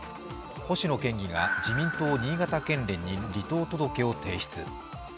星野県議が自民党新潟県連に離党届を提出。